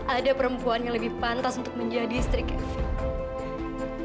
ada perempuan yang lebih pantas untuk menjadi istri kevin